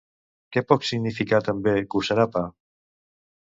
Què pot significar també "gusarapa"?